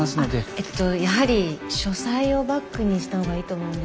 えっとやはり書斎をバックにした方がいいと思うんですね。